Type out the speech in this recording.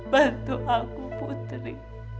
bantu aku putri